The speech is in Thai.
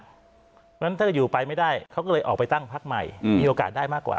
เพราะฉะนั้นถ้าจะอยู่ไปไม่ได้เขาก็เลยออกไปตั้งพักใหม่มีโอกาสได้มากกว่า